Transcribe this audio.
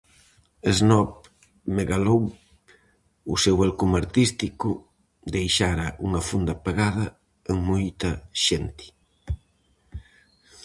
Snob Megalove, o seu alcume artístico, deixara unha fonda pegada en moita xente.